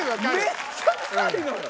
めっちゃ臭いのよ！